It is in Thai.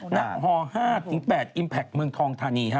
หน้าฮอล์๕๘อิมแพคเมืองทองธานีฮะ